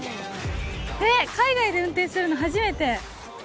え、海外で運転するの、初めて。